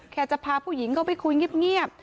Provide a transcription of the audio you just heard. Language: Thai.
แค่จะพาผู้หญิงก็ไปคุยเงียบ